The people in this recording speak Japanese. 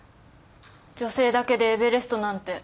女性だけでエベレストなんて。